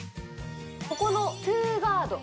ここのトゥガード